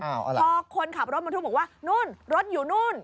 พอคนขับรถบรรทุกบอกว่านู่นรถอยู่นู่น